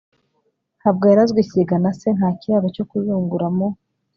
ntabwo yarazwe ikigega na se. nta kiraro cyo kuzungura. mu